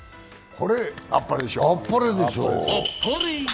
これ、あっぱれでしょう。